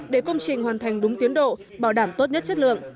để công trình hoàn thành đúng tiến độ bảo đảm tốt nhất chất lượng